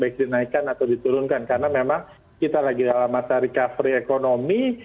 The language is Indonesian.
baik dinaikkan atau diturunkan karena memang kita lagi dalam masa recovery ekonomi